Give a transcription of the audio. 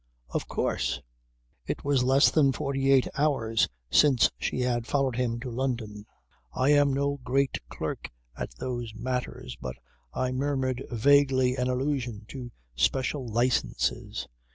Of course? It was less than forty eight hours since she had followed him to London ... I am no great clerk at those matters but I murmured vaguely an allusion to special licences.